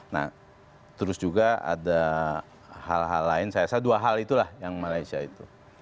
nah terus juga ada hal hal lain saya rasa dua hal itulah yang malaysia itu